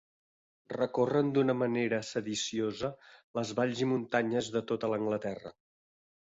Recorren d'una manera sediciosa les valls i muntanyes de tota l'Anglaterra.